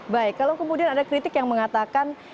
baik kalau kemudian ada kritik yang mengatakan